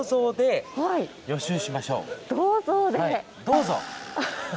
どうぞ！